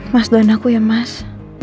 mas doan aku ya mas